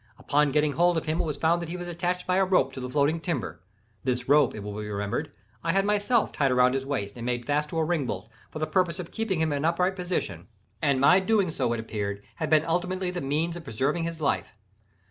Upon getting hold of him it was found that he was attached by a rope to the floating timber. This rope, it will be remembered, I had myself tied around his waist, and made fast to a ringbolt, for the purpose of keeping him in an upright position, and my so doing, it appeared, had been ultimately the means of preserving his life.